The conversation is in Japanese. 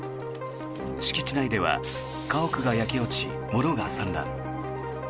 敷地内では家屋が焼け落ち物が散乱。